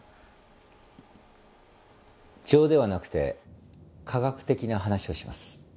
情ではなくて科学的な話をします。